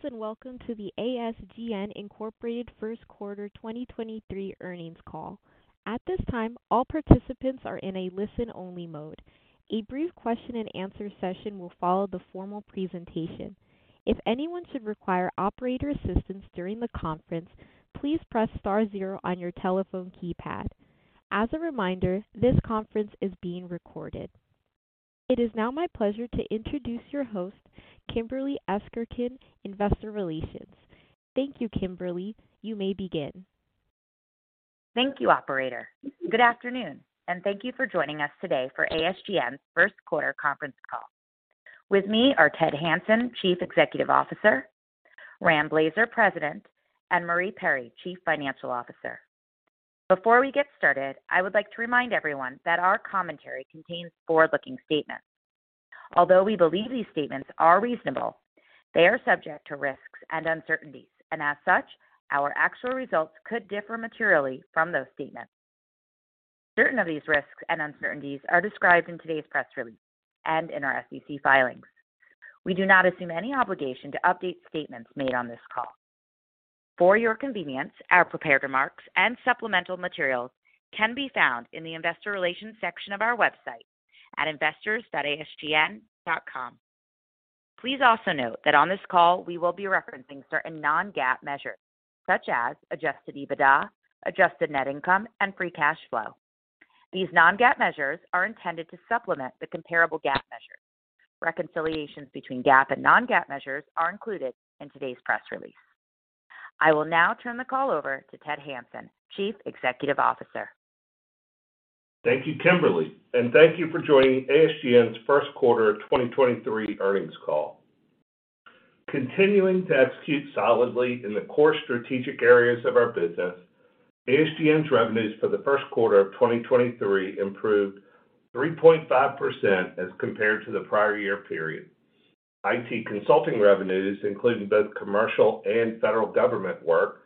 Good evenings, welcome to the ASGN Incorporated first quarter 2023 earnings call. At this time, all participants are in a listen-only mode. A brief question and answer session will follow the formal presentation. If anyone should require operator assistance during the conference, please press star zero on your telephone keypad. As a reminder, this conference is being recorded. It is now my pleasure to introduce your host, Kimberly Esterkin, Investor Relations. Thank you, Kimberly. You may begin. Thank you, operator. Good afternoon. Thank you for joining us today for ASGN's first quarter conference call. With me are Ted Hanson, Chief Executive Officer; Rand Blazer, President; and Marie Perry, Chief Financial Officer. Before we get started, I would like to remind everyone that our commentary contains forward-looking statements. Although we believe these statements are reasonable, they are subject to risks and uncertainties, and as such, our actual results could differ materially from those statements. Certain of these risks and uncertainties are described in today's press release and in our SEC filings. We do not assume any obligation to update statements made on this call. For your convenience, our prepared remarks and supplemental materials can be found in the Investor Relations section of our website at investors.asgn.com. Please also note that on this call, we will be referencing certain non-GAAP measures, such as Adjusted EBITDA, adjusted net income, and free cash flow. These non-GAAP measures are intended to supplement the comparable GAAP measures. Reconciliations between GAAP and non-GAAP measures are included in today's press release. I will now turn the call over to Ted Hanson, Chief Executive Officer. Thank you, Kimberly, and thank you for joining ASGN's first quarter of 2023 earnings call. Continuing to execute solidly in the core strategic areas of our business, ASGN's revenues for the first quarter of 2023 improved 3.5% as compared to the prior year period. IT consulting revenues, including both commercial and federal government work,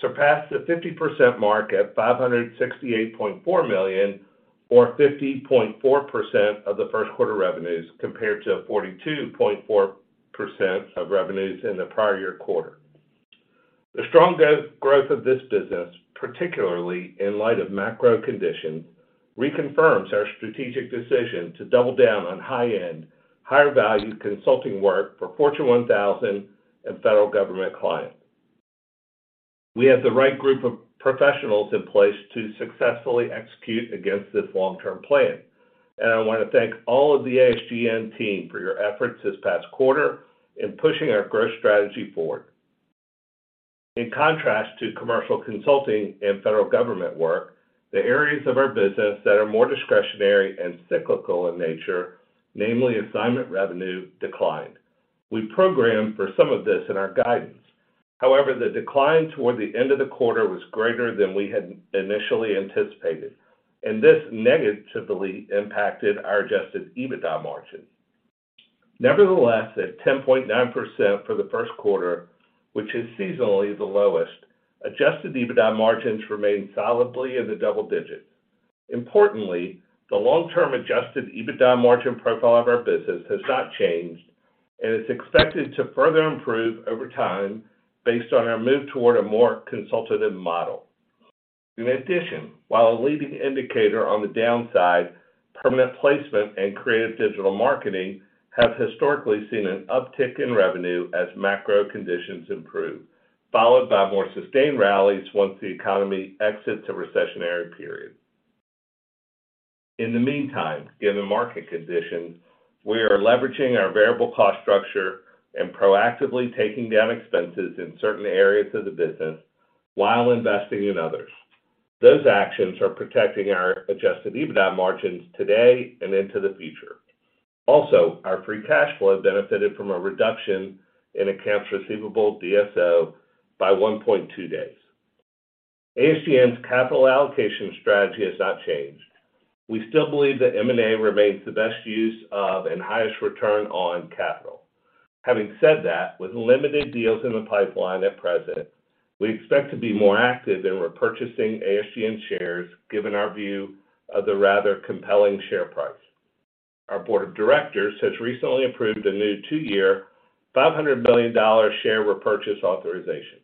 surpassed the 50% mark at $568.4 million or 50.4% of the first quarter revenues, compared to 42.4% of revenues in the prior year quarter. The strong go-growth of this business, particularly in light of macro conditions, reconfirms our strategic decision to double down on high-end, higher value consulting work for Fortune 1000 and federal government clients. We have the right group of professionals in place to successfully execute against this long-term plan. I want to thank all of the ASGN team for your efforts this past quarter in pushing our growth strategy forward. In contrast to commercial consulting and federal government work, the areas of our business that are more discretionary and cyclical in nature, namely assignment revenue, declined. We programmed for some of this in our guidance. The decline toward the end of the quarter was greater than we had initially anticipated, and this negatively impacted our Adjusted EBITDA margin. At 10.9% for the first quarter, which is seasonally the lowest, Adjusted EBITDA margins remain solidly in the double digits. Importantly, the long-term Adjusted EBITDA margin profile of our business has not changed and is expected to further improve over time based on our move toward a more consultative model. In addition, while a leading indicator on the downside, permanent placement and creative digital marketing have historically seen an uptick in revenue as macro conditions improve, followed by more sustained rallies once the economy exits a recessionary period. In the meantime, given market conditions, we are leveraging our variable cost structure and proactively taking down expenses in certain areas of the business while investing in others. Those actions are protecting our Adjusted EBITDA margins today and into the future. Also, our free cash flow benefited from a reduction in accounts receivable DSO by 1.2 days. ASGN's capital allocation strategy has not changed. We still believe that M&A remains the best use of and highest return on capital. Having said that, with limited deals in the pipeline at present, we expect to be more active in repurchasing ASGN shares given our view of the rather compelling share price. Our board of directors has recently approved a new two-year, $500 million share repurchase authorization.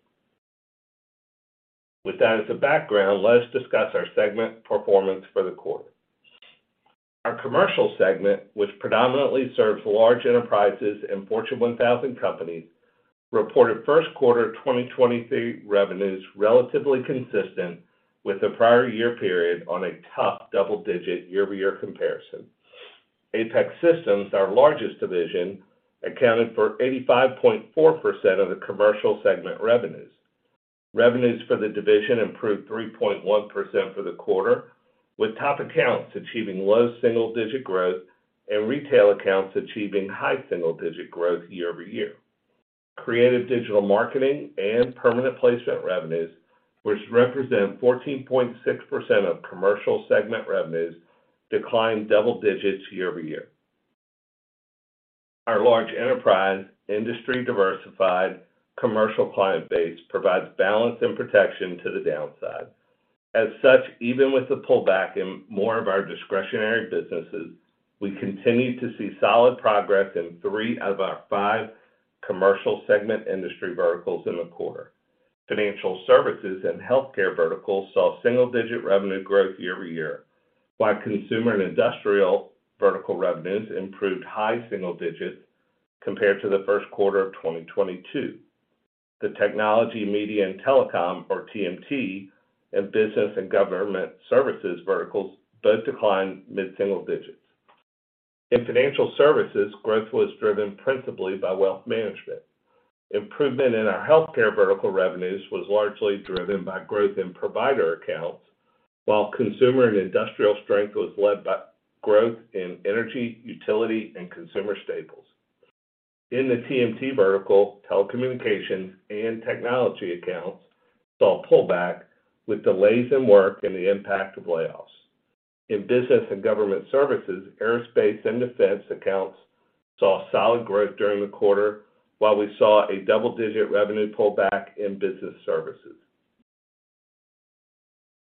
With that as a background, let's discuss our segment performance for the quarter. Our commercial segment, which predominantly serves large enterprises and Fortune 1000 companies, reported first quarter 2023 revenues relatively consistent with the prior year period on a tough double-digit year-over-year comparison. Apex Systems, our largest division, accounted for 85.4% of the commercial segment revenues. Revenues for the division improved 3.1% for the quarter, with top accounts achieving low single-digit growth and retail accounts achieving high single-digit growth year-over-year. Creative digital marketing and permanent placement revenues, which represent 14.6% of commercial segment revenues, declined double digits year-over-year. Our large enterprise industry-diversified commercial client base provides balance and protection to the downside. As such, even with the pullback in more of our discretionary businesses, we continue to see solid progress in three out of our five commercial segment industry verticals in the quarter. Financial services and healthcare verticals saw single-digit revenue growth year-over-year, while consumer and industrial vertical revenues improved high single digits compared to the first quarter of 2022. The technology, media, and telecom, or TMT, and business and government services verticals both declined mid-single digits. In financial services, growth was driven principally by wealth management. Improvement in our healthcare vertical revenues was largely driven by growth in provider accounts, while consumer and industrial strength was led by growth in energy, utility, and consumer staples. In the TMT vertical, telecommunications and technology accounts saw a pullback with delays in work and the impact of layoffs. In business and government services, aerospace and defense accounts saw solid growth during the quarter while we saw a double-digit revenue pullback in business services.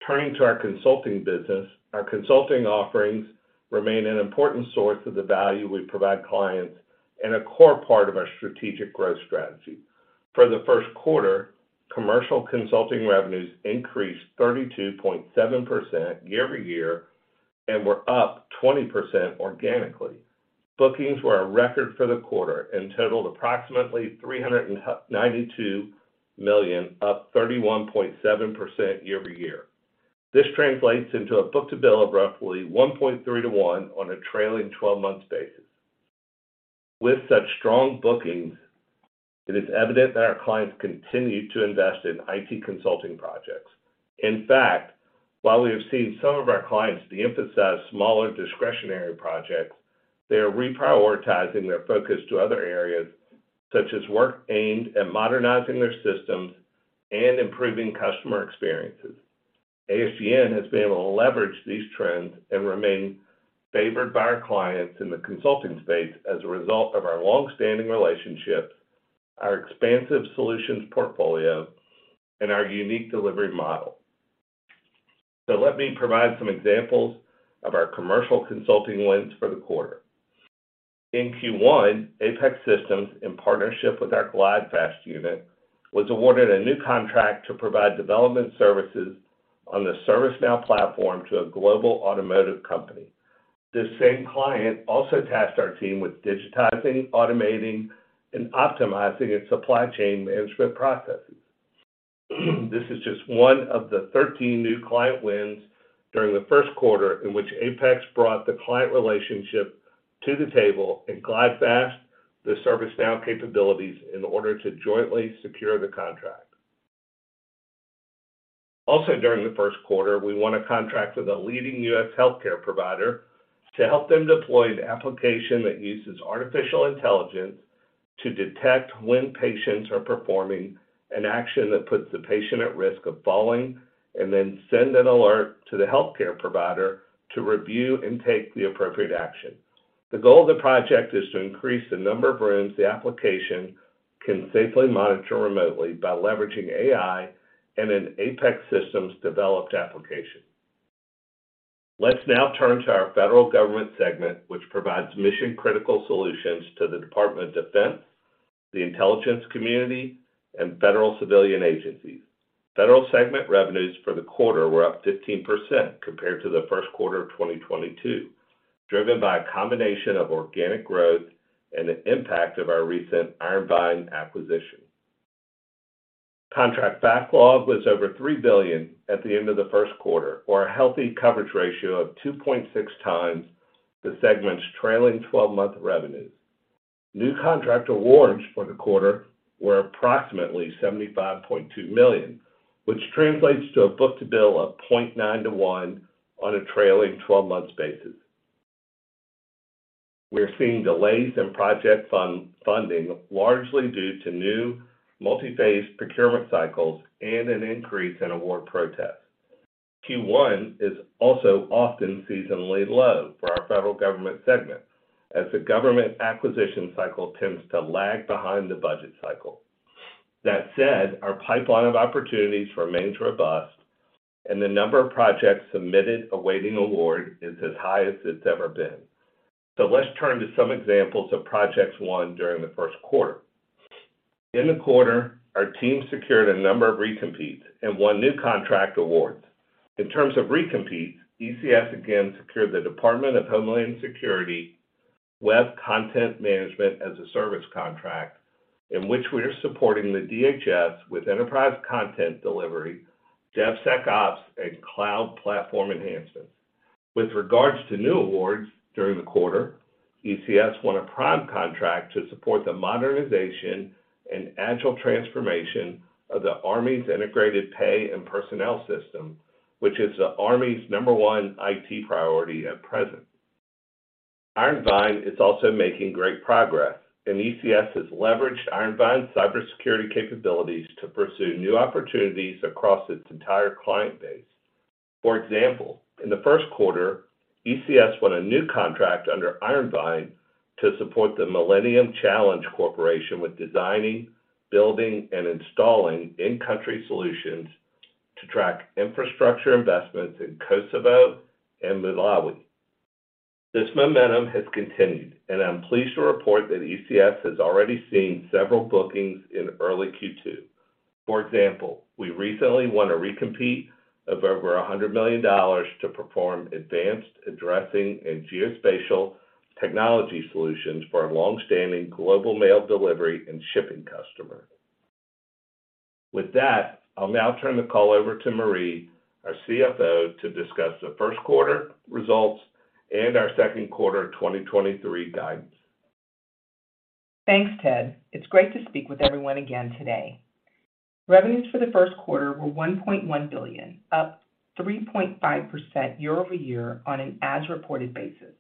Turning to our consulting business, our consulting offerings remain an important source of the value we provide clients and a core part of our strategic growth strategy. For the first quarter, commercial consulting revenues increased 32.7% year-over-year and were up 20% organically. Bookings were a record for the quarter and totaled approximately $392 million, up 31.7% year-over-year. This translates into a book-to-bill of roughly 1.3 to 1 on a trailing 12-month basis. With such strong bookings, it is evident that our clients continue to invest in IT consulting projects. In fact, while we have seen some of our clients de-emphasize smaller discretionary projects, they are reprioritizing their focus to other areas, such as work aimed at modernizing their systems and improving customer experiences. ASGN has been able to leverage these trends and remain favored by our clients in the consulting space as a result of our long-standing relationships, our expansive solutions portfolio, and our unique delivery model. Let me provide some examples of our commercial consulting wins for the quarter. In Q1, Apex Systems, in partnership with our GlideFast unit, was awarded a new contract to provide development services on the ServiceNow platform to a global automotive company. This same client also tasked our team with digitizing, automating, and optimizing its supply chain management processes. This is just one of the 13 new client wins during the first quarter in which Apex Systems brought the client relationship to the table and GlideFast the ServiceNow capabilities in order to jointly secure the contract. Also during the first quarter, we won a contract with a leading U.S. healthcare provider to help them deploy an application that uses artificial intelligence to detect when patients are performing an action that puts the patient at risk of falling, and then send an alert to the healthcare provider to review and take the appropriate action. The goal of the project is to increase the number of rooms the application can safely monitor remotely by leveraging AI and an Apex Systems-developed application. Let's now turn to our federal government segment, which provides mission-critical solutions to the Department of Defense, the intelligence community, and federal civilian agencies. Federal segment revenues for the quarter were up 15% compared to the first quarter of 2022, driven by a combination of organic growth and the impact of our recent Iron Vine acquisition. Contract backlog was over $3 billion at the end of the first quarter, or a healthy coverage ratio of 2.6 times the segment's trailing 12-month revenues. New contract awards for the quarter were approximately $75.2 million, which translates to a book-to-bill of 0.9 to 1 on a trailing 12-month basis. We are seeing delays in project funding largely due to new multi-phase procurement cycles and an increase in award protests. Q1 is also often seasonally low for our federal government segment, as the government acquisition cycle tends to lag behind the budget cycle. That said, our pipeline of opportunities remains robust, and the number of projects submitted awaiting award is as high as it's ever been. Let's turn to some examples of projects won during the first quarter. In the quarter, our team secured a number of recompetes and won new contract awards. In terms of recompetes, ECS again secured the Department of Homeland Security Web Content Management as a Service contract in which we are supporting the DHS with enterprise content delivery, DevSecOps, and cloud platform enhancements. With regards to new awards during the quarter, ECS won a prime contract to support the modernization and agile transformation of the Army's integrated pay and personnel system, which is the Army's number-one IT priority at present. Iron Vine is also making great progress, and ECS has leveraged Iron Vine's cybersecurity capabilities to pursue new opportunities across its entire client base. For example, in the first quarter, ECS won a new contract under Iron Vine to support the Millennium Challenge Corporation with Building and installing in-country solutions to track infrastructure investments in Kosovo and Malawi. This momentum has continued, and I'm pleased to report that ECS has already seen several bookings in early Q2. For example, we recently won a recompete of over $100 million to perform advanced addressing and geospatial technology solutions for a long-standing global mail delivery and shipping customer. With that, I'll now turn the call over to Marie, our CFO, to discuss the first quarter results and our second quarter 2023 guidance. Thanks, Ted. It's great to speak with everyone again today. Revenues for the first quarter were $1.1 billion, up 3.5% year-over-year on an as-reported basis.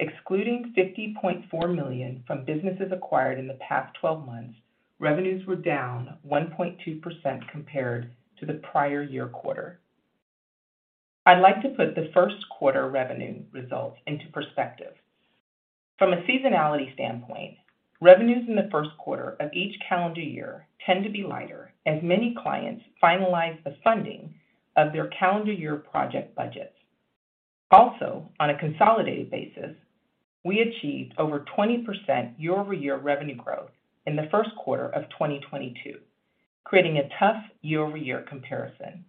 Excluding $50.4 million from businesses acquired in the past 12 months, revenues were down 1.2% compared to the prior year quarter. I'd like to put the first quarter revenue results into perspective. From a seasonality standpoint, revenues in the first quarter of each calendar year tend to be lighter as many clients finalize the funding of their calendar year project budgets. Also, on a consolidated basis, we achieved over 20% year-over-year revenue growth in the first quarter of 2022, creating a tough year-over-year comparison.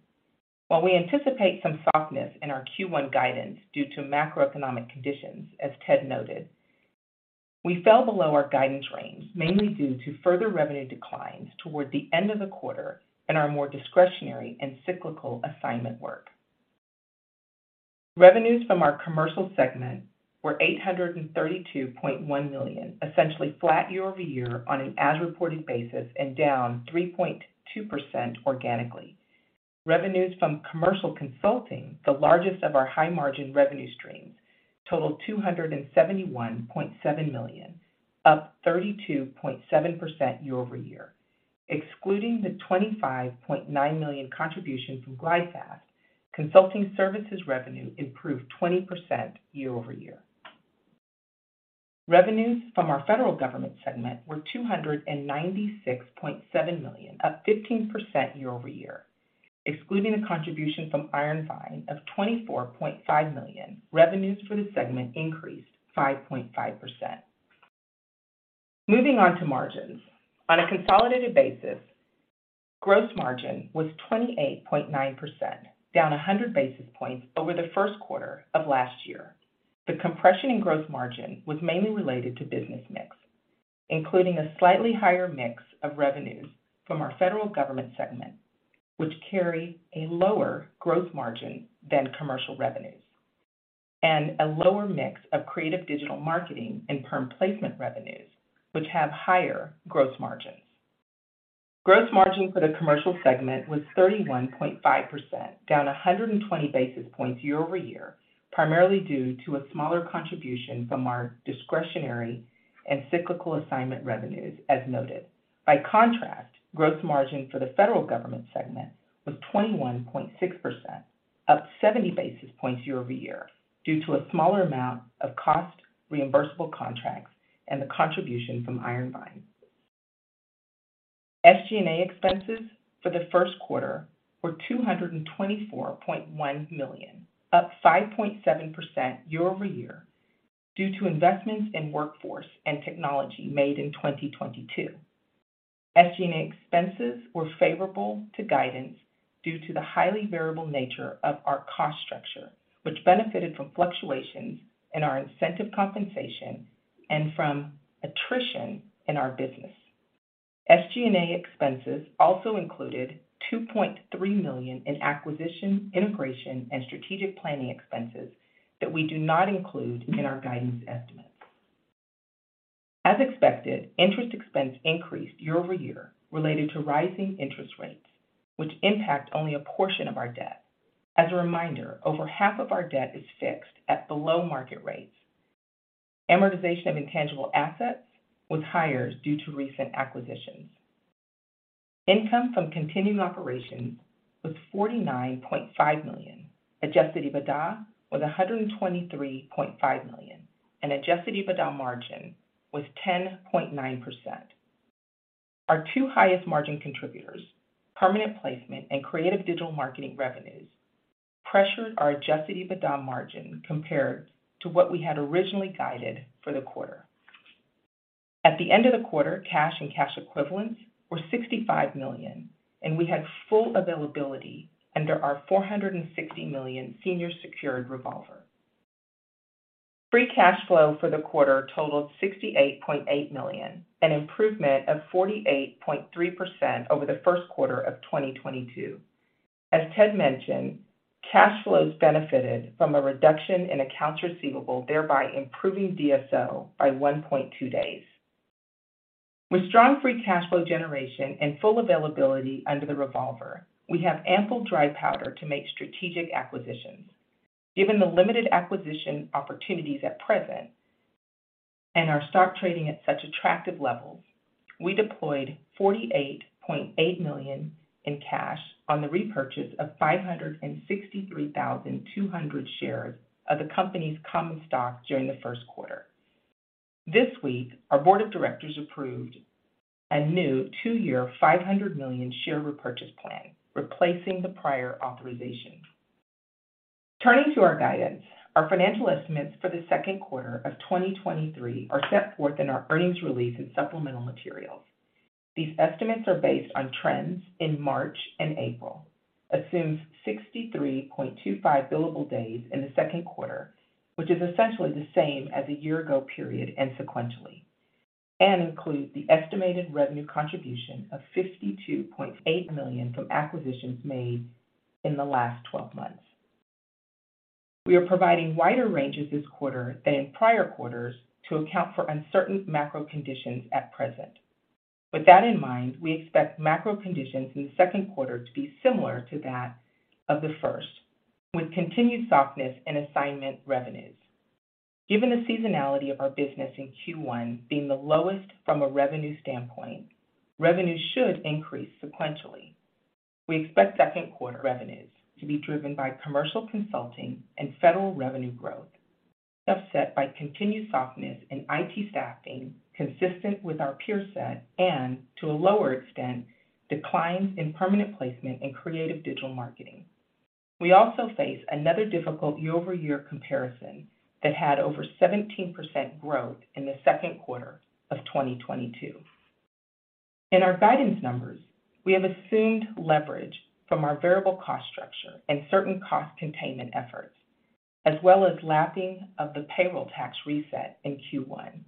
While we anticipate some softness in our Q1 guidance due to macroeconomic conditions, as Ted noted, we fell below our guidance range, mainly due to further revenue declines towards the end of the quarter and our more discretionary and cyclical assignment work. Revenues from our commercial segment were $832.1 million, essentially flat year-over-year on an as-reported basis and down 3.2% organically. Revenues from commercial consulting, the largest of our high margin revenue streams, totaled $271.7 million, up 32.7% year-over-year. Excluding the $25.9 million contribution from GlideFast, consulting services revenue improved 20% year-over-year. Revenues from our federal government segment were $296.7 million, up 15% year-over-year. Excluding the contribution from Iron Vine of $24.5 million, revenues for the segment increased 5.5%. Moving on to margins. On a consolidated basis, gross margin was 28.9%, down 100 basis points over the first quarter of last year. The compression in gross margin was mainly related to business mix, including a slightly higher mix of revenues from our federal government segment, which carry a lower gross margin than commercial revenues, and a lower mix of creative digital marketing and perm placement revenues, which have higher gross margins. Gross margin for the commercial segment was 31.5%, down 120 basis points year-over-year, primarily due to a smaller contribution from our discretionary and cyclical assignment revenues, as noted. By contrast, gross margin for the federal government segment was 21.6%, up 70 basis points year-over-year, due to a smaller amount of cost reimbursable contracts and the contribution from Iron Vine. SG&A expenses for the first quarter were $224.1 million, up 5.7% year-over-year due to investments in workforce and technology made in 2022. SG&A expenses were favorable to guidance due to the highly variable nature of our cost structure, which benefited from fluctuations in our incentive compensation and from attrition in our business. SG&A expenses also included $2.3 million in acquisition, integration, and strategic planning expenses that we do not include in our guidance estimates. As expected, interest expense increased year-over-year related to rising interest rates, which impact only a portion of our debt. As a reminder, over half of our debt is fixed at below market rates. Amortization of intangible assets was higher due to recent acquisitions. Income from continuing operations was $49.5 million. Adjusted EBITDA was $123.5 million, and Adjusted EBITDA margin was 10.9%. Our two highest margin contributors, permanent placement and creative digital marketing revenues, pressured our Adjusted EBITDA margin compared to what we had originally guided for the quarter. At the end of the quarter, cash and cash equivalents were $65 million, and we had full availability under our $460 million senior secured revolver. Free cash flow for the quarter totaled $68.8 million, an improvement of 48.3% over the first quarter of 2022. As Ted mentioned, cash flows benefited from a reduction in accounts receivable, thereby improving DSO by 1.2 days. With strong free cash flow generation and full availability under the revolver, we have ample dry powder to make strategic acquisitions. Given the limited acquisition opportunities at present and our stock trading at such attractive levels, we deployed $48.8 million in cash on the repurchase of 563,200 shares of the company's common stock during the first quarter. This week, our board of directors approved a new two-year $500 million share repurchase plan, replacing the prior authorization. Turning to our guidance. Our financial estimates for the second quarter of 2023 are set forth in our earnings release and supplemental materials. These estimates are based on trends in March and April, assumes 63.25 billable days in the second quarter, which is essentially the same as the year-ago period and sequentially, and includes the estimated revenue contribution of $52.8 million from acquisitions made in the last 12 months. We are providing wider ranges this quarter than in prior quarters to account for uncertain macro conditions at present. With that in mind, we expect macro conditions in the second quarter to be similar to that of the first, with continued softness in assignment revenues. Given the seasonality of our business in Q1 being the lowest from a revenue standpoint, revenues should increase sequentially. We expect second quarter revenues to be driven by commercial consulting and federal revenue growth, offset by continued softness in IT staffing consistent with our peer set and to a lower extent, declines in permanent placement and creative digital marketing. We also face another difficult year-over-year comparison that had over 17% growth in the second quarter of 2022. In our guidance numbers, we have assumed leverage from our variable cost structure and certain cost containment efforts, as well as lapping of the payroll tax reset in Q1.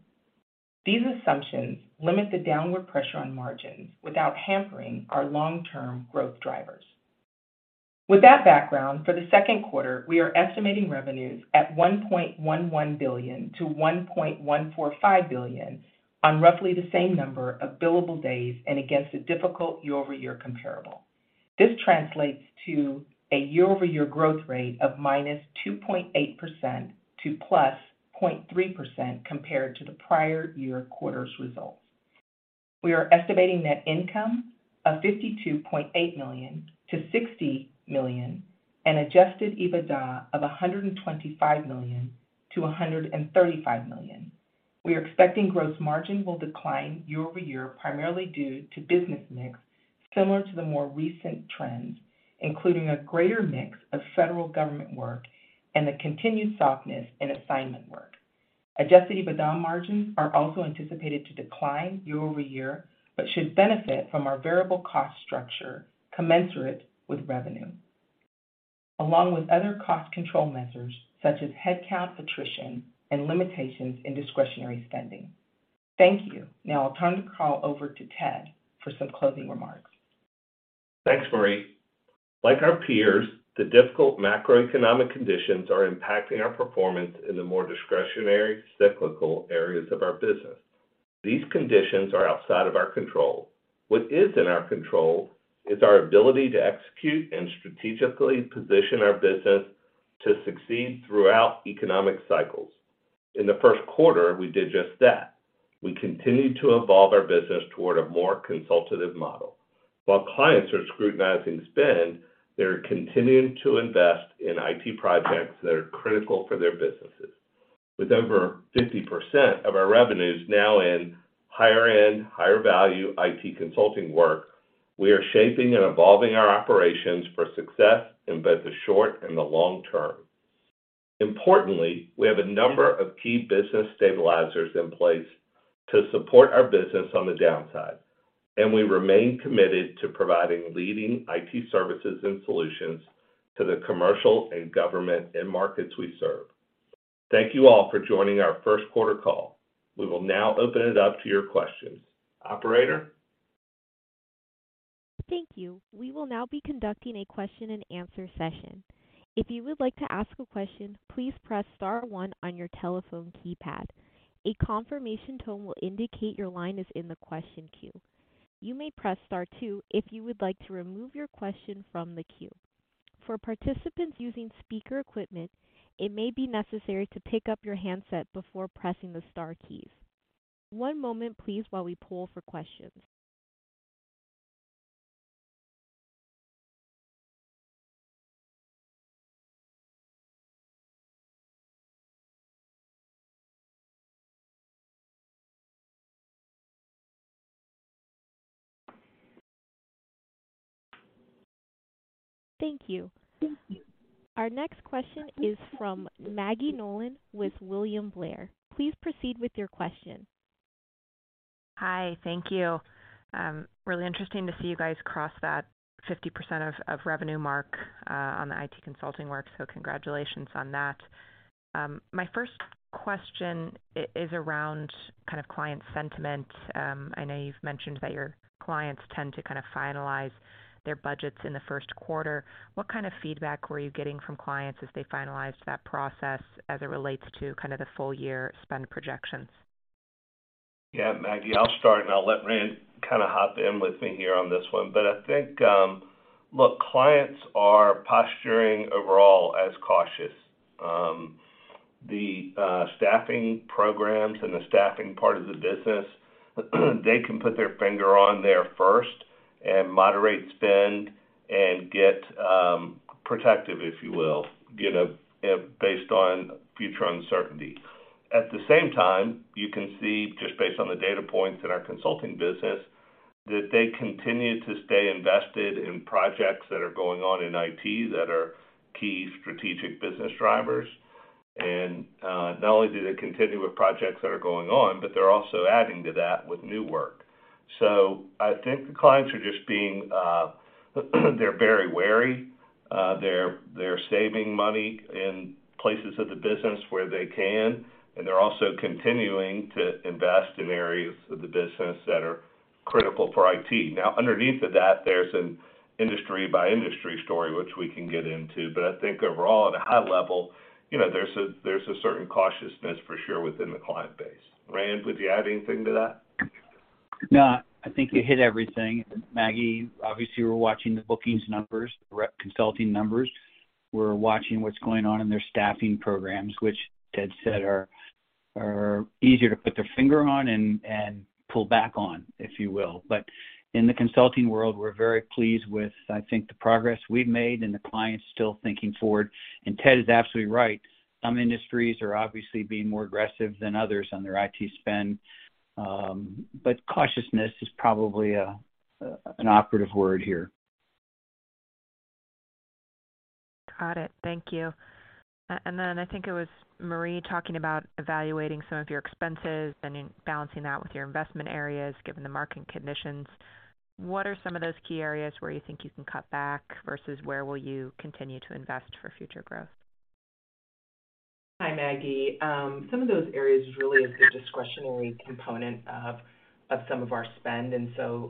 These assumptions limit the downward pressure on margins without hampering our long-term growth drivers. With that background, for the second quarter, we are estimating revenues at $1.11 billion to $1.145 billion on roughly the same number of billable days and against a difficult year-over-year comparable. This translates to a year-over-year growth rate of -2.8% to +0.3% compared to the prior year quarter's results. We are estimating net income of $52.8 million to $60 million and Adjusted EBITDA of $125 million to $135 million. We are expecting gross margin will decline year-over-year primarily due to business mix similar to the more recent trends, including a greater mix of federal government work and the continued softness in assignment work. Adjusted EBITDA margins are also anticipated to decline year-over-year, should benefit from our variable cost structure commensurate with revenue, along with other cost control measures such as headcount attrition and limitations in discretionary spending. Thank you. Now I'll turn the call over to Ted for some closing remarks. Thanks, Marie. Like our peers, the difficult macroeconomic conditions are impacting our performance in the more discretionary cyclical areas of our business. These conditions are outside of our control. What is in our control is our ability to execute and strategically position our business to succeed throughout economic cycles. In the first quarter, we did just that. We continued to evolve our business toward a more consultative model. While clients are scrutinizing spend, they're continuing to invest in IT projects that are critical for their businesses. With over 50% of our revenues now in higher-end, higher-value IT consulting work, we are shaping and evolving our operations for success in both the short and the long term. Importantly, we have a number of key business stabilizers in place to support our business on the downside, and we remain committed to providing leading IT services and solutions to the commercial and government end markets we serve. Thank you all for joining our first quarter call. We will now open it up to your questions. Operator? Thank you. We will now be conducting a question and answer session. If you would like to ask a question, please press star one on your telephone keypad. A confirmation tone will indicate your line is in the question queue. You may press star two if you would like to remove your question from the queue. For participants using speaker equipment, it may be necessary to pick up your handset before pressing the star keys. One moment, please, while we poll for questions. Thank you. Our next question is from Maggie Nolan with William Blair. Please proceed with your question. Hi. Thank you. Really interesting to see you guys cross that 50% of revenue mark, on the IT consulting work. Congratulations on that. My first question is around kind of client sentiment. I know you've mentioned that your clients tend to kind of finalize their budgets in the first quarter. What kind of feedback were you getting from clients as they finalized that process as it relates to kind of the full year spend projections? Yeah, Maggie, I'll start, and I'll let Rand kind of hop in with me here on this one. I think, look, clients are posturing overall as cautious. The staffing programs and the staffing part of the business, they can put their finger on there first and moderate spend and get protective, if you will, get a based on future uncertainty. At the same time, you can see, just based on the data points in our consulting business, that they continue to stay invested in projects that are going on in IT that are key strategic business drivers. Not only do they continue with projects that are going on, but they're also adding to that with new work. I think the clients are just being, they're very wary. They're saving money in places of the business where they can, and they're also continuing to invest in areas of the business that are critical for IT. Now, underneath of that, there's an industry by industry story which we can get into, but I think overall, at a high level, you know, there's a certain cautiousness for sure within the client base. Rand, would you add anything to that? I think you hit everything. Maggie, obviously we're watching the bookings numbers, rep consulting numbers. We're watching what's going on in their staffing programs, which Ted said are easier to put their finger on and pull back on, if you will. In the consulting world, we're very pleased with, I think, the progress we've made and the clients still thinking forward. Ted is absolutely right. Some industries are obviously being more aggressive than others on their IT spend. Cautiousness is probably a, an operative word here. Got it. Thank you. I think it was Marie talking about evaluating some of your expenses and balancing that with your investment areas, given the market conditions. What are some of those key areas where you think you can cut back versus where will you continue to invest for future growth? Hi, Maggie. Some of those areas really is the discretionary component of some of our spend.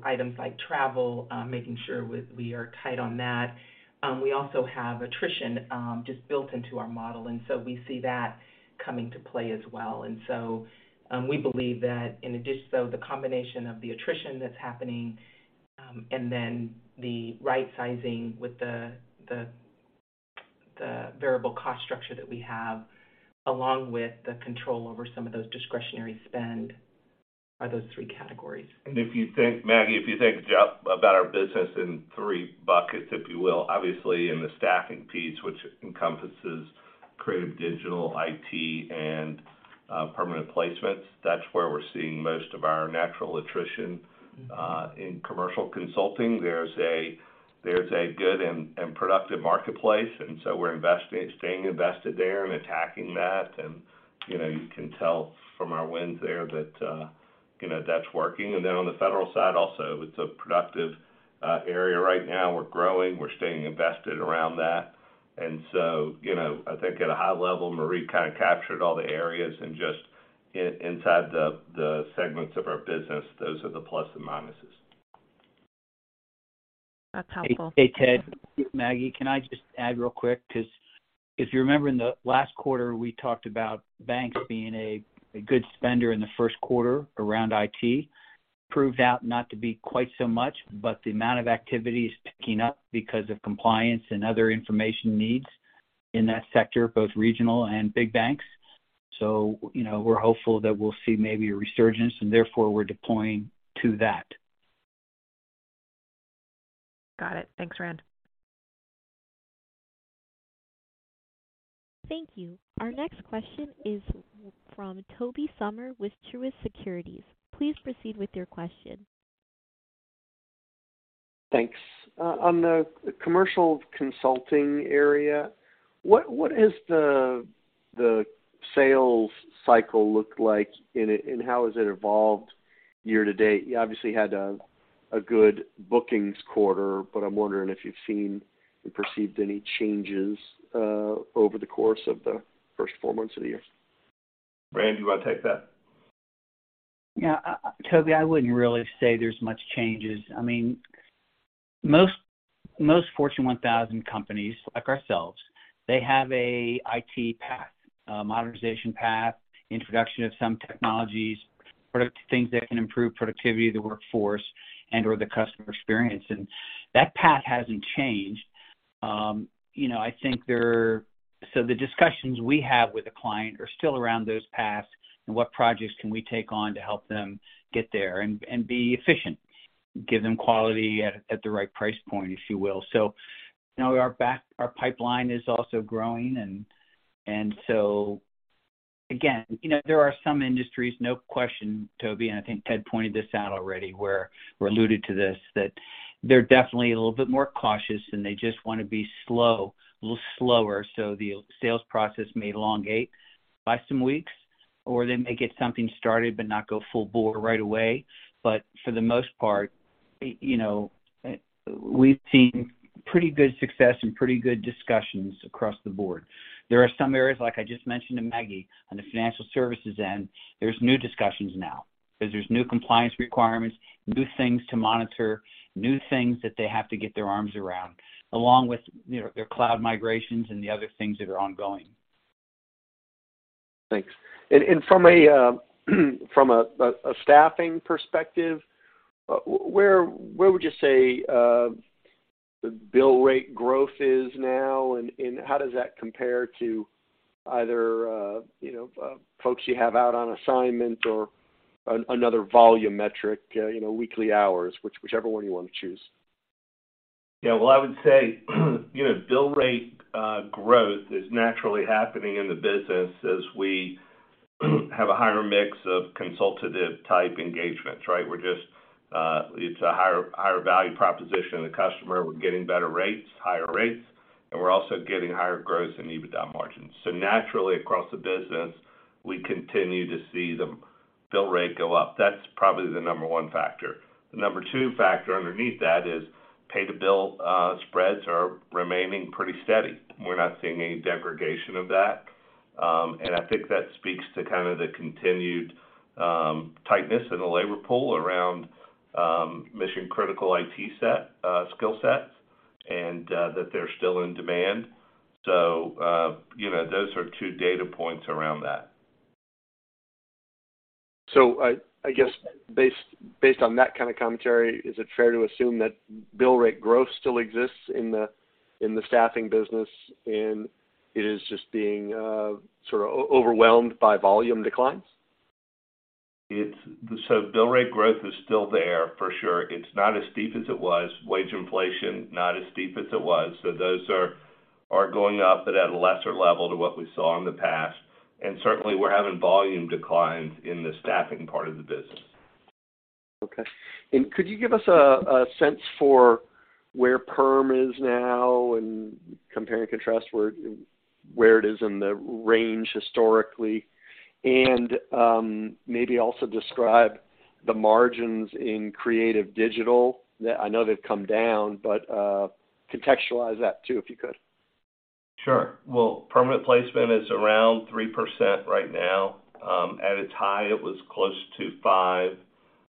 Items like travel, making sure we are tight on that. We also have attrition, just built into our model. We see that coming to play as well. We believe that the combination of the attrition that's happening, and then the right sizing with the variable cost structure that we have, along with the control over some of those discretionary spend are those three categories. If you think, Maggie, if you think just about our business in three buckets, if you will, obviously in the staffing piece, which encompasses creative digital, IT, and permanent placements, that's where we're seeing most of our natural attrition. In commercial consulting, there's a good and productive marketplace, and so we're staying invested there and attacking that. You know, you can tell from our wins there that, you know, that's working. Then on the federal side also, it's a productive area right now. We're growing, we're staying invested around that. So, you know, I think at a high level, Marie kind of captured all the areas and just inside the segments of our business, those are the plus and minuses. That's helpful. Hey, Ted, Maggie, can I just add real quick? 'Cause if you remember in the last quarter, we talked about banks being a good spender in the first quarter around IT. Proved out not to be quite so much, but the amount of activity is picking up because of compliance and other information needs in that sector, both regional and big banks. You know, we're hopeful that we'll see maybe a resurgence and therefore we're deploying to that. Got it. Thanks, Rand. Thank you. Our next question is from Tobey Sommer with Truist Securities. Please proceed with your question. Thanks. On the commercial consulting area, what is the sales cycle look like and how has it evolved year to date? You obviously had a good bookings quarter. I'm wondering if you've seen and perceived any changes over the course of the first four months of the year. Rand, do you want to take that? Yeah, Tobey, I wouldn't really say there's much changes. I mean, most Fortune 1000 companies like ourselves, they have a IT path, modernization path, introduction of some technologies, product things that can improve productivity of the workforce and/or the customer experience. That path hasn't changed. You know, the discussions we have with a client are still around those paths and what projects can we take on to help them get there and be efficient, give them quality at the right price point, if you will. Now we are back. Our pipeline is also growing. Again, you know, there are some industries, no question, Tobey, and I think Ted pointed this out already, where we alluded to this, that they're definitely a little bit more cautious, and they just want to be slow, a little slower. The sales process may elongate by some weeks, or they may get something started but not go full bore right away. For the most part, you know, we've seen pretty good success and pretty good discussions across the board. There are some areas, like I just mentioned to Maggie, on the financial services end, there's new discussions now because there's new compliance requirements, new things to monitor, new things that they have to get their arms around along with, you know, their cloud migrations and the other things that are ongoing. Thanks. From a staffing perspective, where would you say The bill rate growth is now and how does that compare to either, you know, folks you have out on assignment or another volume metric, you know, weekly hours, whichever one you want to choose? Yeah. Well, I would say, you know, bill rate growth is naturally happening in the business as we have a higher mix of consultative type engagements, right? We're just, it's a higher value proposition to the customer. We're getting better rates, higher rates, and we're also getting higher gross and EBITDA margins. Naturally, across the business, we continue to see the bill rate go up. That's probably the number one factor. The number two factor underneath that is pay to bill spreads are remaining pretty steady. We're not seeing any degradation of that. I think that speaks to kind of the continued tightness in the labor pool around mission-critical IT skill set and that they're still in demand. you know, those are two data points around that. I guess based on that kind of commentary, is it fair to assume that bill rate growth still exists in the staffing business, and it is just being sort of overwhelmed by volume declines? Bill rate growth is still there for sure. It's not as steep as it was. Wage inflation, not as steep as it was. Those are going up, but at a lesser level to what we saw in the past. Certainly, we're having volume declines in the staffing part of the business. Okay. Could you give us a sense for where perm is now and compare and contrast where it is in the range historically? Maybe also describe the margins in Creative Digital. I know they've come down, but contextualize that too, if you could. Sure. Well, permanent placement is around 3% right now. At its high, it was close to 5%.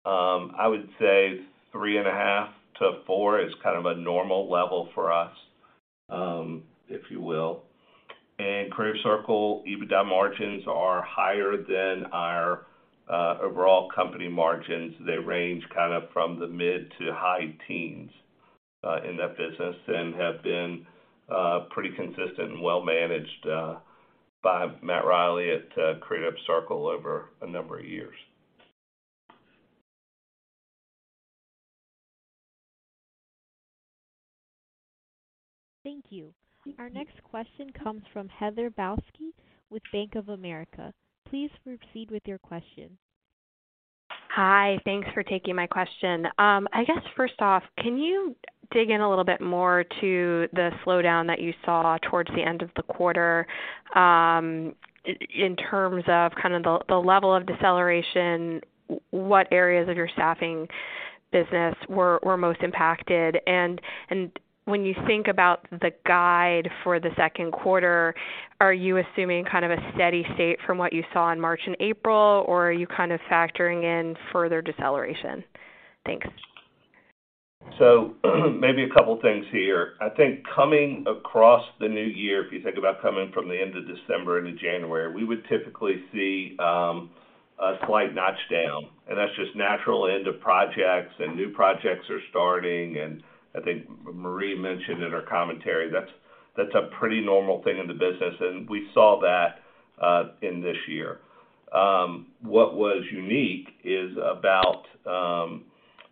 I would say 3.5%-4% is kind of a normal level for us, if you will. Creative Circle EBITDA margins are higher than our overall company margins. They range kind of from the mid-to-high teens in that business and have been pretty consistent and well managed by Matt Riley at Creative Circle over a number of years. Thank you. Our next question comes from Heather Balsky with Bank of America. Please proceed with your question. Hi. Thanks for taking my question. I guess, first off, can you dig in a little bit more to the slowdown that you saw towards the end of the quarter, in terms of kind of the level of deceleration, what areas of your staffing business were most impacted? And when you think about the guide for the second quarter, are you assuming kind of a steady state from what you saw in March and April, or are you kind of factoring in further deceleration? Thanks. Maybe a couple things here. I think coming across the new year, if you think about coming from the end of December into January, we would typically see a slight notch down, and that's just natural end of projects and new projects are starting. I think Marie mentioned in her commentary that's a pretty normal thing in the business, and we saw that in this year. What was unique is about,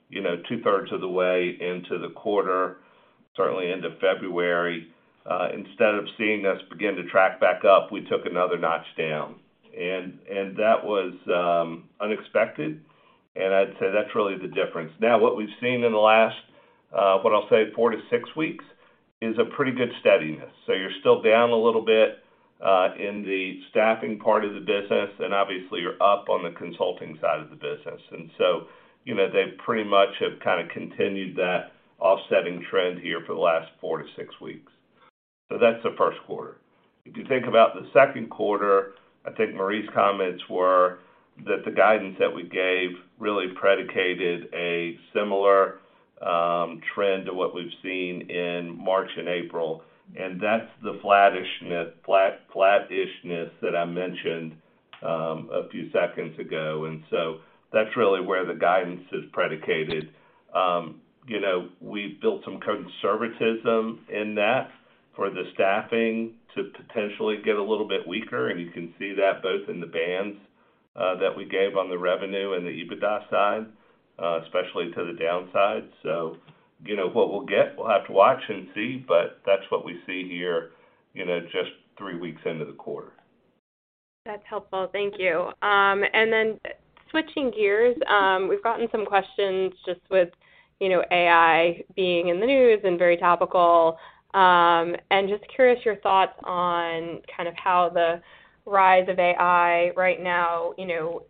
you know, two-thirds of the way into the quarter, certainly end of February, instead of seeing us begin to track back up, we took another notch down. That was unexpected, and I'd say that's really the difference. What we've seen in the last, what I'll say four to six weeks, is a pretty good steadiness. You're still down a little bit in the staffing part of the business, and obviously, you're up on the consulting side of the business. You know, they pretty much have kind of continued that offsetting trend here for the last four to six weeks. That's the first quarter. If you think about the second quarter, I think Marie's comments were that the guidance that we gave really predicated a similar trend to what we've seen in March and April, and that's the flattishness that I mentioned a few seconds ago. That's really where the guidance is predicated. You know, we've built some conservatism in that for the staffing to potentially get a little bit weaker, and you can see that both in the bands that we gave on the revenue and the EBITDA side, especially to the downside. You know, what we'll get, we'll have to watch and see, but that's what we see here, you know, just three weeks into the quarter. That's helpful. Thank you. And then switching gears, we've gotten some questions just with, you know, AI being in the news and very topical, and just curious your thoughts on kind of how the rise of AI right now, you know,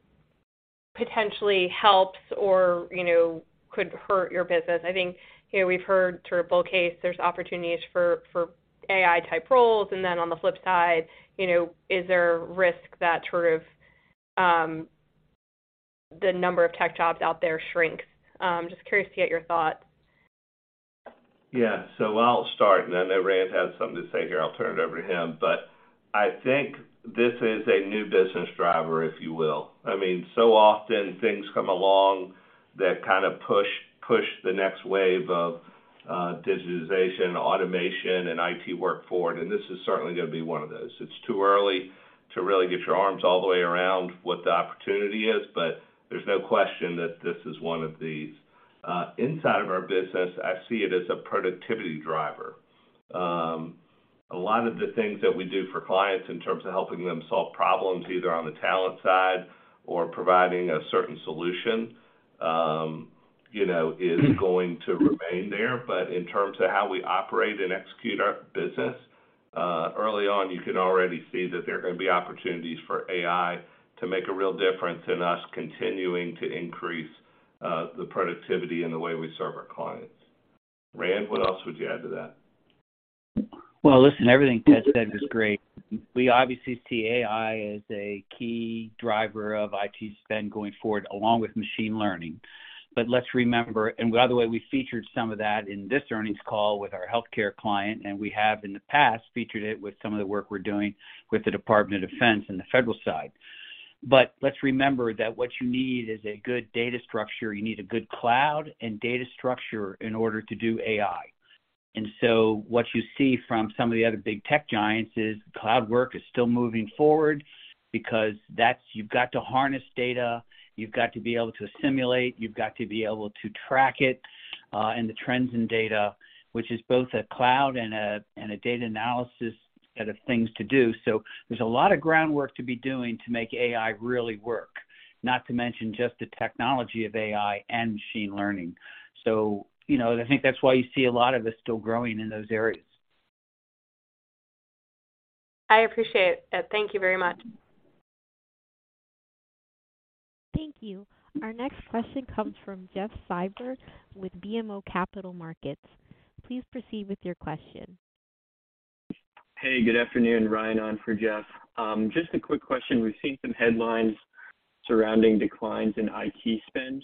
potentially helps or, you know, could hurt your business. I think, you know, we've heard sort of bull case, there's opportunities for AI-type roles. On the flip side, you know, is there risk that sort of, the number of tech jobs out there shrinks? Just curious to get your thoughts. I'll start, and then if Rand has something to say here, I'll turn it over to him. I think this is a new business driver, if you will. So often things come along that kind of push the next wave of digitization, automation, and IT work forward, and this is certainly going to be one of those. It's too early to really get your arms all the way around what the opportunity is, but there's no question that this is one of these. Inside of our business, I see it as a productivity driver. A lot of the things that we do for clients in terms of helping them solve problems, either on the talent side or providing a certain solution, you know, is going to remain there. In terms of how we operate and execute our business, early on, you can already see that there are going to be opportunities for AI to make a real difference in us continuing to increase, the productivity in the way we serve our clients. Rand, what else would you add to that? Well, listen, everything Ted said was great. We obviously see AI as a key driver of IT spend going forward, along with machine learning. Let's remember, and by the way, we featured some of that in this earnings call with our healthcare client, and we have, in the past, featured it with some of the work we're doing with the Department of Defense in the federal side. Let's remember that what you need is a good data structure. You need a good cloud and data structure in order to do AI. What you see from some of the other big tech giants is cloud work is still moving forward because you've got to harness data, you've got to be able to assimilate, you've got to be able to track it, and the trends in data, which is both a cloud and a data analysis set of things to do. There's a lot of groundwork to be doing to make AI really work. Not to mention just the technology of AI and machine learning. You know, I think that's why you see a lot of us still growing in those areas. I appreciate it. Thank you very much. Thank you. Our next question comes from Jeff Silber with BMO Capital Markets. Please proceed with your question. Hey, good afternoon. Ryan on for Jeff. Just a quick question. We've seen some headlines surrounding declines in IT spend.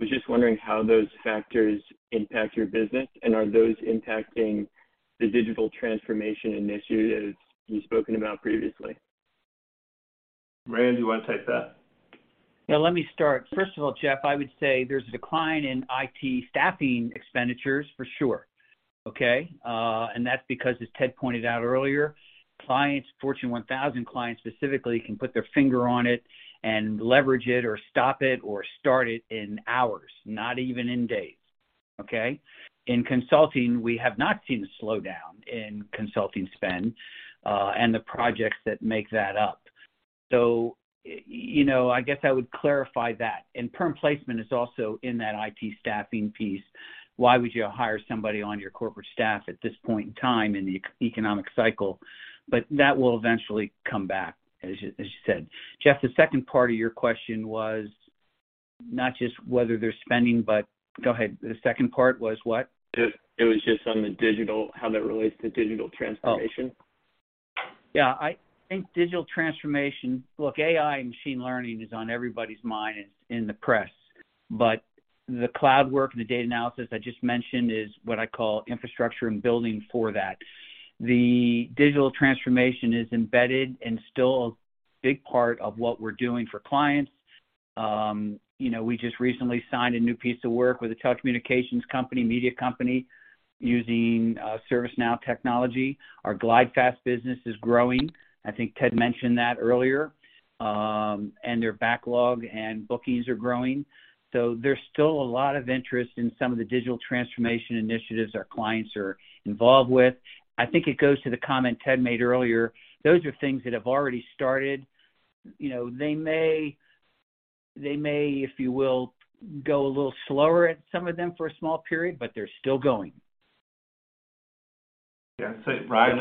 Was just wondering how those factors impact your business, and are those impacting the digital transformation initiative that you've spoken about previously? Rand, do you want to take that? Yeah, let me start. First of all, Jeff, I would say there's a decline in IT staffing expenditures for sure, okay? And that's because, as Ted pointed out earlier, clients, Fortune 1000 clients specifically, can put their finger on it and leverage it or stop it or start it in hours, not even in days, okay? In consulting, we have not seen a slowdown in consulting spend, and the projects that make that up. You know, I guess I would clarify that. Perm placement is also in that IT staffing piece. Why would you hire somebody on your corporate staff at this point in time in the economic cycle? That will eventually come back, as you said. Jeff, the second part of your question was not just whether they're spending, but... Go ahead. The second part was what? It was just on the digital, how that relates to digital transformation. Yeah, I think digital transformation. Look, AI and machine learning is on everybody's mind in the press. The cloud work and the data analysis I just mentioned is what I call infrastructure and building for that. The digital transformation is embedded and still a big part of what we're doing for clients. You know, we just recently signed a new piece of work with a telecommunications company, media company, using ServiceNow technology. Our GlideFast business is growing. I think Ted mentioned that earlier. And their backlog and bookings are growing. There's still a lot of interest in some of the digital transformation initiatives our clients are involved with. I think it goes to the comment Ted made earlier. Those are things that have already started. You know, they may, if you will, go a little slower at some of them for a small period, but they're still going. Hey, Ryan.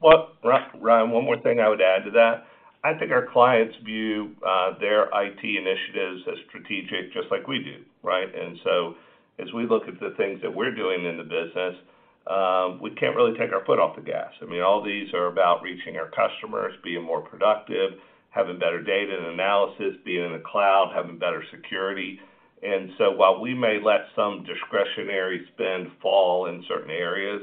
One more thing I would add to that. I think our clients view their IT initiatives as strategic, just like we do, right? As we look at the things that we're doing in the business, we can't really take our foot off the gas. I mean, all these are about reaching our customers, being more productive, having better data and analysis, being in the cloud, having better security. While we may let some discretionary spend fall in certain areas,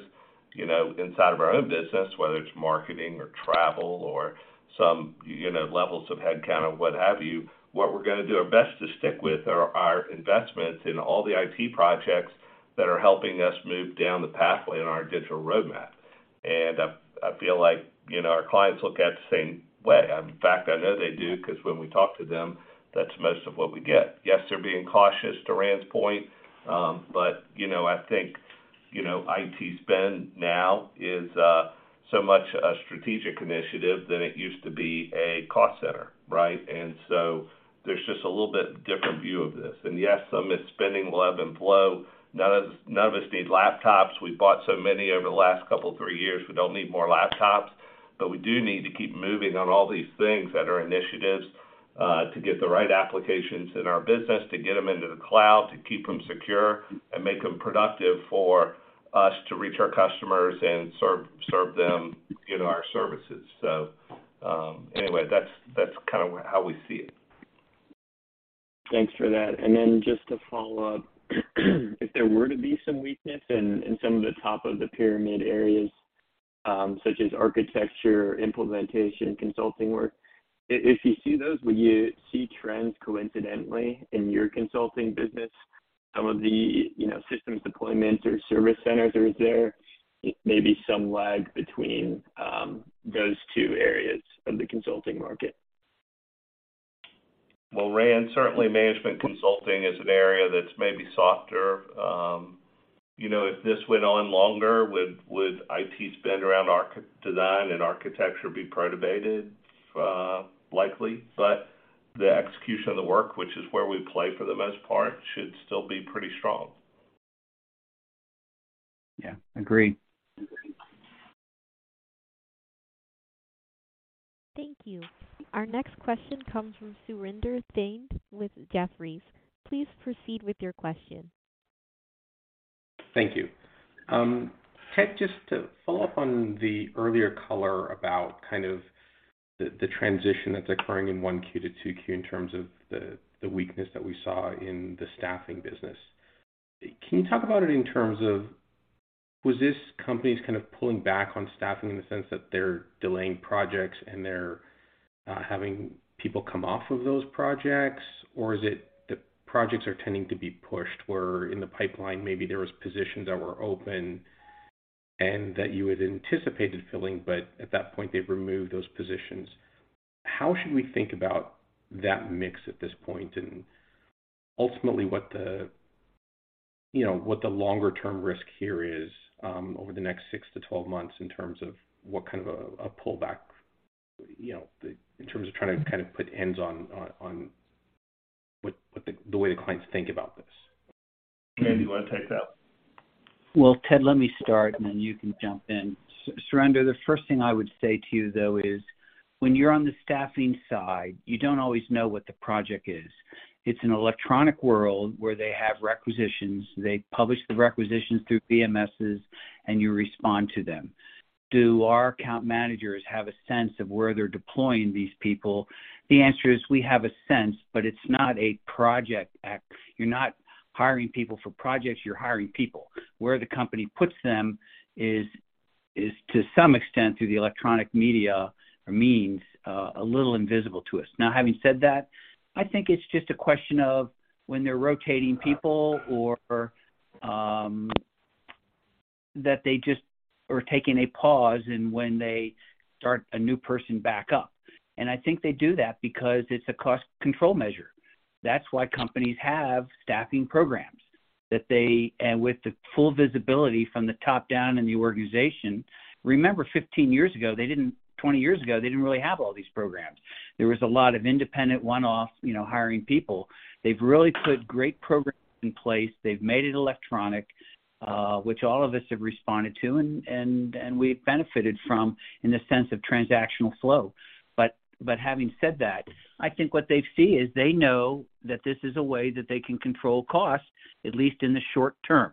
you know, inside of our own business, whether it's marketing or travel or some, you know, levels of headcount or what have you, what we're going to do our best to stick with are our investments in all the IT projects that are helping us move down the pathway in our digital roadmap. I feel like, you know, our clients look at it the same way. In fact, I know they do because when we talk to them, that's most of what we get. Yes, they're being cautious to Rand's point. But, you know, I think, you know, IT spend now is so much a strategic initiative than it used to be a cost center, right? There's just a little bit different view of this. Yes, some of it's spending will ebb and flow. None of us need laptops. We bought so many over the last couple, three years. We don't need more laptops. We do need to keep moving on all these things that are initiatives, to get the right applications in our business, to get them into the cloud, to keep them secure and make them productive for us to reach our customers and serve them in our services. anyway, that's kind of how we see it. Thanks for that. Just to follow up, if there were to be some weakness in some of the top of the pyramid areas, such as architecture, implementation, consulting work, if you see those, would you see trends coincidentally in your consulting business? Some of the, you know, systems deployments or service centers are there, maybe some lag between those two areas of the consulting market? Well, Rand, certainly management consulting is an area that's maybe softer. you know, if this went on longer, would IT spend around design and architecture be protracted? Likely. The execution of the work, which is where we play for the most part, should still be pretty strong. Yeah, agreed. Thank you. Our next question comes from Surinder Thind with Jefferies. Please proceed with your question. Thank you. Ted, just to follow up on the earlier color about kind of the transition that's occurring in 1Q to 2Q in terms of the weakness that we saw in the staffing business. Can you talk about it in terms of was this companies kind of pulling back on staffing in the sense that they're delaying projects and they're having people come off of those projects? Or is it the projects are tending to be pushed where in the pipeline, maybe there was positions that were open and that you had anticipated filling, but at that point they've removed those positions? How should we think about that mix at this point and ultimately what the, you know, what the longer term risk here is over the next 6-12 months in terms of what kind of a pullback, you know, in terms of trying to kind of put ends on what the way the clients think about this. Rand, you wanna take that? Well, Ted, let me start, then you can jump in. Surinder, the first thing I would say to you, though, is when you're on the staffing side, you don't always know what the project is. It's an electronic world where they have requisitions, they publish the requisitions through PMSs, you respond to them. Do our account managers have a sense of where they're deploying these people? The answer is we have a sense, it's not a project. You're not hiring people for projects, you're hiring people. Where the company puts them is to some extent, through the electronic media or means, a little invisible to us. Having said that, I think it's just a question of when they're rotating people or that they just are taking a pause and when they start a new person back up. I think they do that because it's a cost control measure. That's why companies have staffing programs and with the full visibility from the top down in the organization. Remember 15 years ago, 20 years ago, they didn't really have all these programs. There was a lot of independent one-off, you know, hiring people. They've really put great programs in place. They've made it electronic, which all of us have responded to and we've benefited from in the sense of transactional flow. But having said that, I think what they see is they know that this is a way that they can control costs, at least in the short term.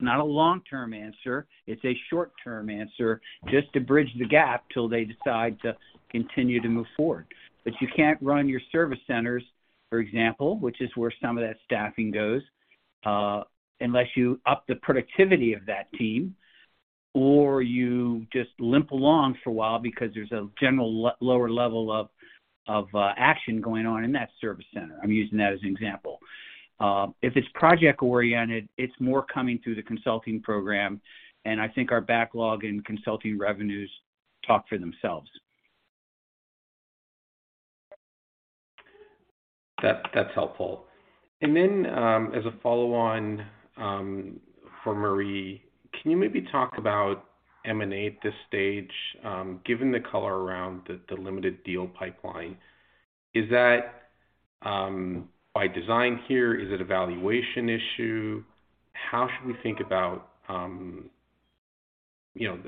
Not a long-term answer, it's a short-term answer just to bridge the gap till they decide to continue to move forward. You can't run your service centers, for example, which is where some of that staffing goes, unless you up the productivity of that team or you just limp along for a while because there's a general lower level of action going on in that service center. I'm using that as an example. If it's project-oriented, it's more coming through the consulting program, and I think our backlog in consulting revenues talk for themselves. That's helpful. Then, as a follow-on, for Marie, can you maybe talk about M&A at this stage, given the color around the limited deal pipeline? Is that by design here? Is it a valuation issue? How should we think about, you know,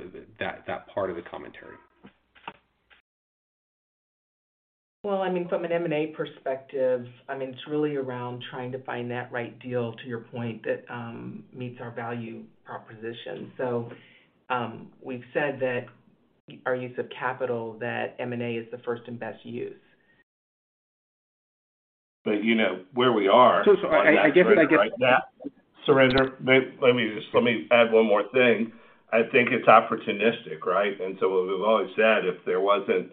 that part of the commentary? Well, I mean, from an M&A perspective, I mean, it's really around trying to find that right deal, to your point, that meets our value proposition. We've said that our use of capital, that M&A is the first and best use. You know where we are. Surinder, let me add one more thing. I think it's opportunistic, right? What we've always said, if there wasn't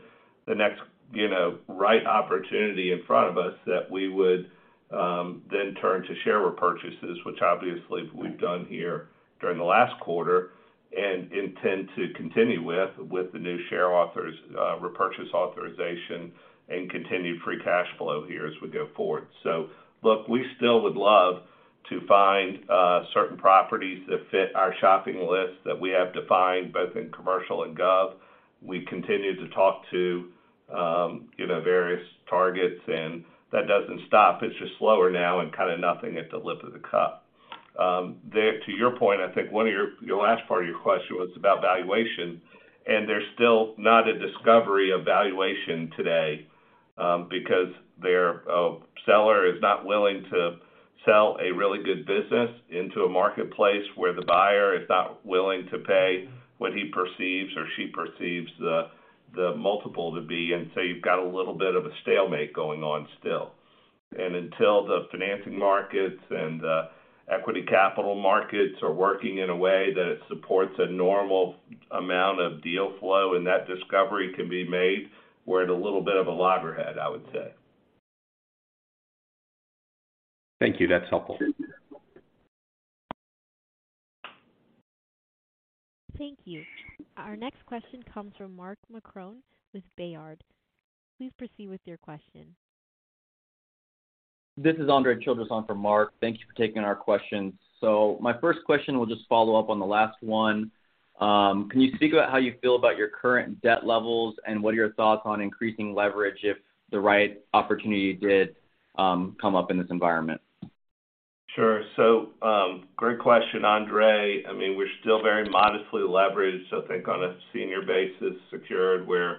the next, you know, right opportunity in front of us, that we would then turn to share repurchases, which obviously we've done here during the last quarter and intend to continue with the new share authorized repurchase authorization and continued free cash flow here as we go forward. Look, we still would love to find certain properties that fit our shopping list that we have defined both in commercial and gov. We continue to talk to, you know, various targets, and that doesn't stop. It's just slower now and kind of nothing at the lip of the cup. To your point, I think one of your last part of your question was about valuation. There's still not a discovery of valuation today because their seller is not willing to sell a really good business into a marketplace where the buyer is not willing to pay what he perceives or she perceives the multiple to be. You've got a little bit of a stalemate going on still. Until the financing markets and the equity capital markets are working in a way that it supports a normal amount of deal flow and that discovery can be made, we're at a little bit of a loggerhead, I would say. Thank you. That's helpful. Thank you. Our next question comes from Mark Marcon with Baird. Please proceed with your question. This is Andre Childs in for Mark. Thank you for taking our questions. My first question will just follow up on the last one. Can you speak about how you feel about your current debt levels, and what are your thoughts on increasing leverage if the right opportunity did come up in this environment? Sure. Great question, Andre. I mean, we're still very modestly leveraged. I think on a senior basis, secured, we're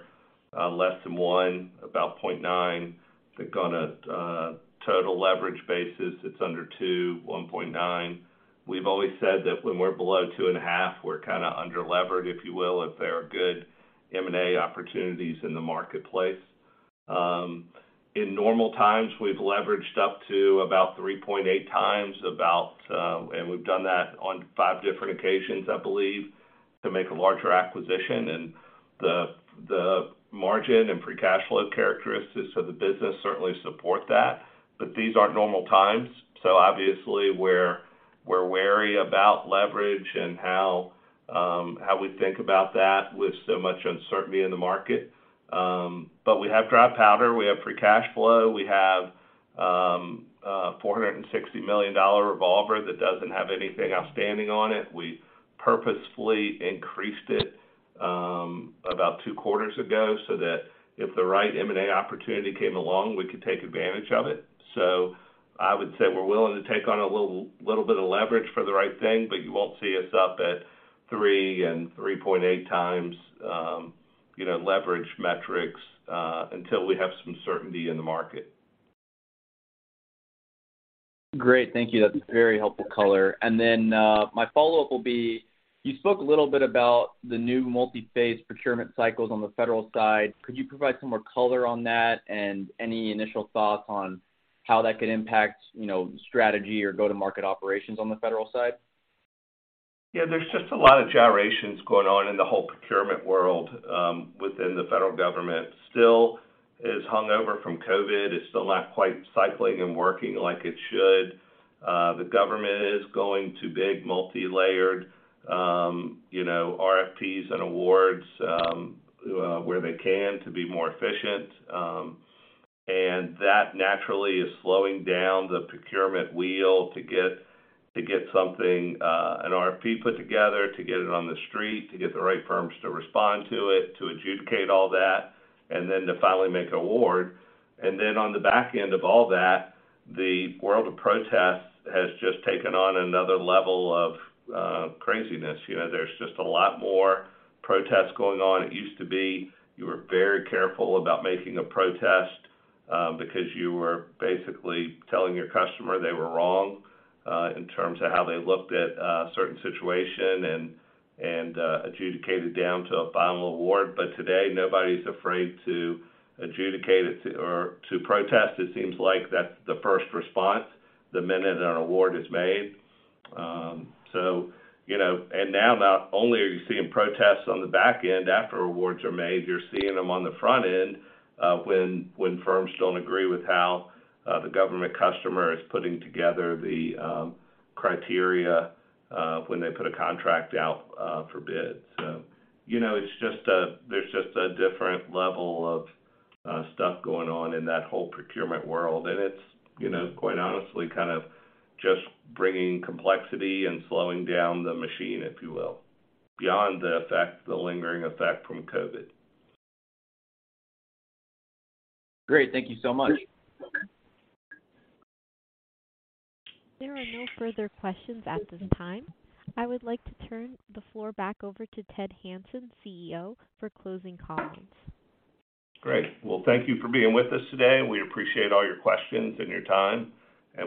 less than one, about 0.9. I think on a total leverage basis, it's under two, 1.9. We've always said that when we're below 2.5, we're kinda under-levered, if you will, if there are good M&A opportunities in the marketplace. In normal times, we've leveraged up to about 3.8x, and we've done that on five different occasions, I believe, to make a larger acquisition. The margin and free cash flow characteristics of the business certainly support that. These aren't normal times, obviously we're wary about leverage and how we think about that with so much uncertainty in the market. We have dry powder, we have free cash flow, we have a $460 million revolver that doesn't have anything outstanding on it. We purposefully increased it two quarters ago so that if the right M&A opportunity came along, we could take advantage of it. I would say we're willing to take on a little bit of leverage for the right thing, but you won't see us up at three and 3.8 times, you know, leverage metrics, until we have some certainty in the market. Great. Thank you. That's a very helpful color. My follow-up will be, you spoke a little bit about the new multi-phase procurement cycles on the federal side. Could you provide some more color on that and any initial thoughts on how that could impact, you know, strategy or go-to-market operations on the federal side? Yeah, there's just a lot of gyrations going on in the whole procurement world within the federal government. Still is hungover from COVID. It's still not quite cycling and working like it should. The government is going to big multilayered, you know, RFPs and awards where they can to be more efficient. That naturally is slowing down the procurement wheel to get something, an RFP put together, to get it on the street, to get the right firms to respond to it, to adjudicate all that, then to finally make an award. On the back end of all that, the world of protests has just taken on another level of craziness. You know, there's just a lot more protests going on. It used to be you were very careful about making a protest, because you were basically telling your customer they were wrong, in terms of how they looked at a certain situation and adjudicated down to a final award. Today, nobody's afraid to adjudicate it or to protest. It seems like that's the first response the minute an award is made. you know, now not only are you seeing protests on the back end after awards are made, you're seeing them on the front end, when firms don't agree with how the government customer is putting together the criteria, when they put a contract out for bid. you know, it's just a different level of stuff going on in that whole procurement world. It's, you know, quite honestly, kind of just bringing complexity and slowing down the machine, if you will. Beyond the effect, the lingering effect from COVID. Great. Thank you so much. There are no further questions at this time. I would like to turn the floor back over to Ted Hanson, CEO, for closing comments. Great. Well, thank you for being with us today. We appreciate all your questions and your time.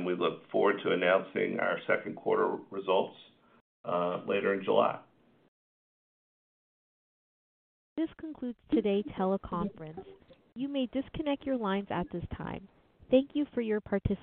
We look forward to announcing our second quarter results, later in July. This concludes today's teleconference. You may disconnect your lines at this time. Thank you for your participation.